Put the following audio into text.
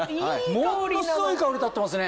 ものすごい香り立ってますね。